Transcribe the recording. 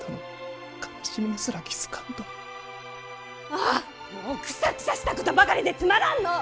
あーもうくさくさしたことばかりでつまらんのぅ。